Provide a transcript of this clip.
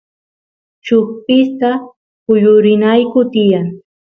chuspista kuyurinayku tiyan